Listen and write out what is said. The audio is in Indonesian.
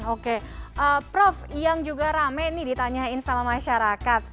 oke prof yang juga rame nih ditanyain sama masyarakat